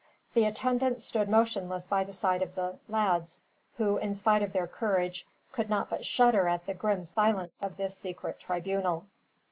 The attendants stood motionless by the side of the lads; who, in spite of their courage, could not but shudder at the grim silence of this secret tribunal.